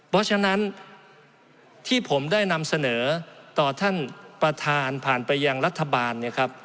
เพราะฉะนั้นที่ผมได้นำเสนอต่อท่านประธานผ่านไปยังรัฐบาลเนี่ยครับ